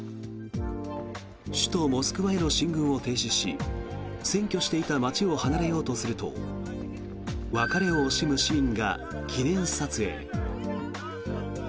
首都モスクワへの進軍を停止し占拠していた街を離れようとすると別れを惜しむ市民が記念撮影。